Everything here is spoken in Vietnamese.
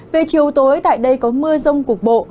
về chiều tối tại đây có mưa rông cục bộ